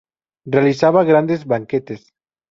Realizaba grandes banquetes.